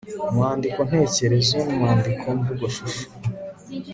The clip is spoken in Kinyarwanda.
umwandiko ntekerezo n'umwandiko mvugoshusho